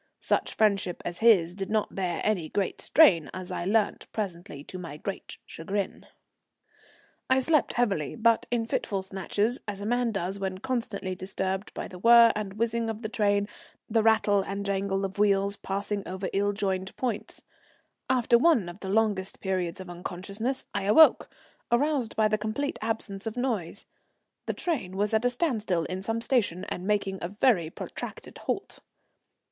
Such friendship as his did not bear any great strain, as I learnt presently to my great chagrin. I slept heavily, but in fitful snatches, as a man does when constantly disturbed by the whirr and whizzing of the train, the rattle and jangle of wheels passing over ill jointed points. After one of the longest periods of unconsciousness I awoke, aroused by the complete absence of noise. The train was at a standstill in some station and making a very protracted halt.